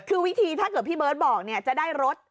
คือวิธีถ้าเกิดพี่เบิร์ตบอกจะได้รถ